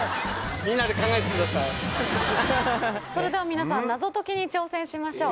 それでは皆さんナゾ解きに挑戦しましょう。